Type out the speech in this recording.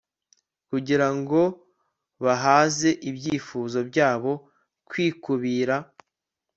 kugira ngo bahaze ibyifuzo byabo kwikubira